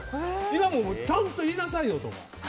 今もちゃんと言いなさいよとか。